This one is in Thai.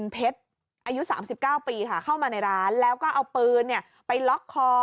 เพชรอายุ๓๙ปีค่ะเข้ามาในร้านแล้วก็เอาปืนไปล็อกคอ